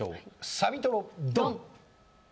サビトロドン！